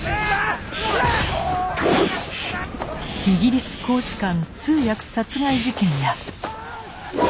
イギリス公使館通訳殺害事件や。